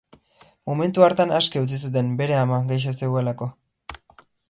Momentu hartan aske utzi zuten bere ama gaixo zegoelako.